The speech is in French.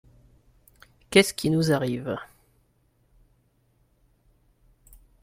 Qu'est ce qui nous arrive ?